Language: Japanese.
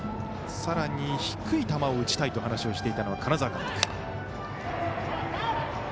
さらに低い球を打ちたいと話していた金沢監督。